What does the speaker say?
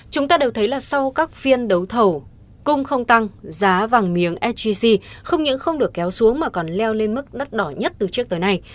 chúng ta đều thấy là sau các phiên đấu thầu cung không tăng giá vàng miếng sgc không những không được kéo xuống mà còn leo lên mức đắt đỏ nhất từ trước tới nay